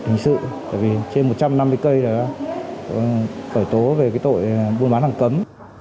hình sự trên một trăm năm mươi cây là bởi tố về tội buôn bán hàng cấm